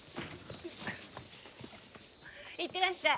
いってらっしゃい。